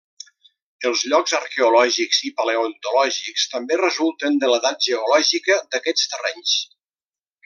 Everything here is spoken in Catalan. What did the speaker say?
Els llocs arqueològics i paleontològics també resulten de l'edat geològica d'aquests terrenys.